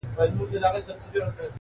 د هسکو غرونو درې ډکي کړلې!!